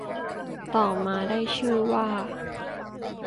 ต่อมาได้ชื่อว่า